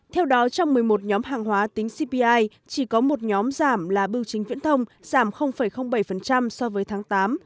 theo đó trong một mươi một nhóm hàng hóa tính cpi chỉ có một nhóm giảm là bưu chính viễn thông giảm bảy so với tháng tám